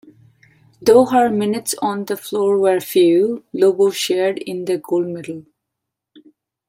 Though her minutes on the floor were few, Lobo shared in the gold medal.